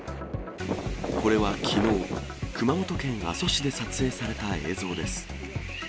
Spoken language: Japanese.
これはきのう、熊本県阿蘇市で撮影された映像です。